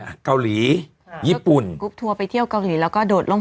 เกาหลีอ่าญี่ปุ่นกรุ๊ปทัวร์ไปเที่ยวเกาหลีแล้วก็โดดลง